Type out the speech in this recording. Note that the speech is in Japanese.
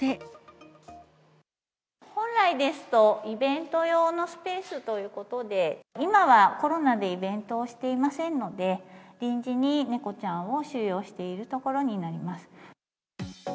本来ですと、イベント用のスペースということで、今はコロナでイベントをしていませんので、臨時に猫ちゃんを収容している所になります。